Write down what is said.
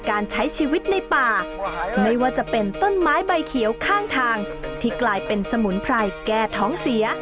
ก็นั่นแหละขมนั่นจะทำให้เป็นยาใช่ไหมขม